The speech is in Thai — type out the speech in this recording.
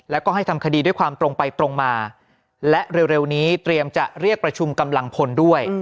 แล้วก็ให้ทำคดีด้วยความตรงไปตรงมาและเร็วนี้เตรียมจะเรียกประชุมกำลังพลด้วย